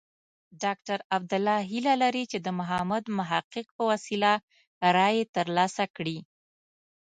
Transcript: ډاکټر عبدالله هیله لري چې د محمد محقق په وسیله رایې ترلاسه کړي.